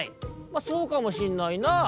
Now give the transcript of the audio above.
「まあそうかもしんないなぁ」。